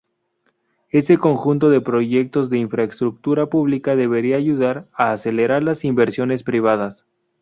Ese conjunto de proyectos de infraestructura pública debería ayudar a acelerar las inversiones privadas.